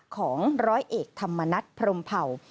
ของร้อยเอกธรรมนัฐพรมเผ่า